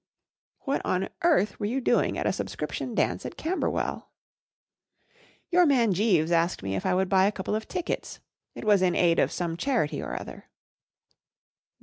4 What on earth were you doing at a subscription dance at Camberwell? 41 II Your man Jeeves asked me if I would buy a couple of tickets. It was in aid of some charity or other.